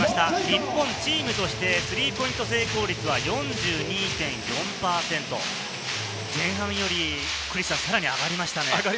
日本、チームとしてスリーポイント成功率は４２．４％、前半よりさらに上がりましたね。